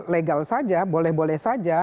legal saja boleh boleh saja